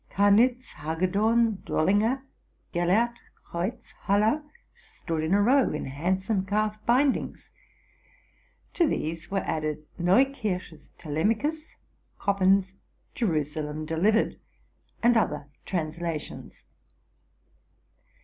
Canitz, Hage dorn, Drollinger, Gellert Creuz, Haller, stood in a row, in handsome calf bindings: to these were added Neukirch's '*Telemachus,'' Koppen's '* Jerusalem Delivered,'' and other translations.